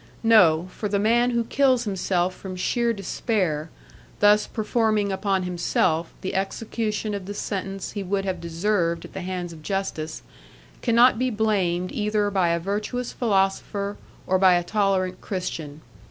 No, for the man who kills himself from sheer despair, thus performing upon himself the execution of the sentence he would have deserved at the hands of justice cannot be blamed either by a virtuous philosopher or by a tolerant Christian.